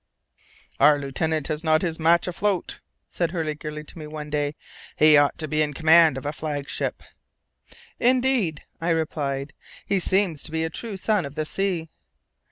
"Our lieutenant has not his match afloat," said Hurliguerly to me one day. "He ought to be in command of a flag ship." "Indeed," I replied, "he seems to be a true son of the sea."